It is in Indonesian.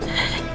aku gak salah